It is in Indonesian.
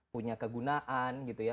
punya kegunaan gitu ya